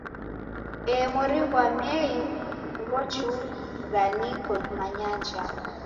Ee mori ghwa Mei ghuchagha niko dimanyaa njala!